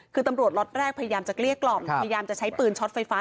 คือตำรวจล็อตแรกพยายามจะเกลี้ยกล่อมพยายามจะใช้ปืนช็อตไฟฟ้า